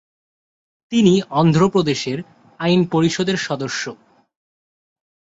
তিনি অন্ধ্র প্রদেশের আইন পরিষদের সদস্য।